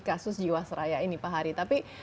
kasus jiwasraya ini pak hari tapi